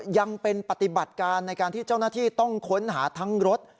ยังเป็นปฏิบัติการในการที่เจ้าหน้าที่ต้องค้นหาทั้งรถ